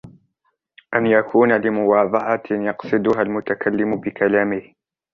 أَنْ يَكُونَ لِمُوَاضَعَةٍ يَقْصِدُهَا الْمُتَكَلِّمُ بِكَلَامِهِ